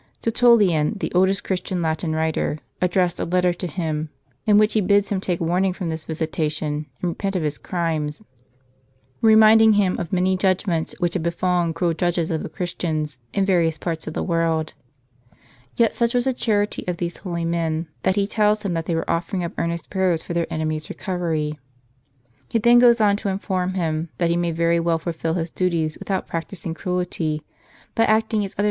Tertullian, the oldest Christian Latin writer, addressed a letter to him, in which he bids him take warning from this visitation, and repent of his crimes ; reminding hini of many judgments which had befallen cruel judges of the Christians, in various parts of the world. Yet such was the charity of those holy men, that he tells him they were offering up earnest prayers for their enemy's recovery! He then goes on to inform him, that he may very well fulfil his duties without practising cruelty, by acting as other * Eoma Subterr. 1.